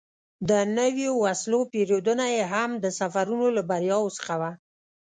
د نویو وسلو پېرودنه یې هم د سفرونو له بریاوو څخه وه.